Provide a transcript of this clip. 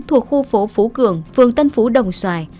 thuộc khu phố phú cường phường tân phú đồng xoài